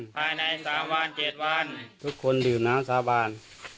ทุกคนดื่มน้ำสาบาน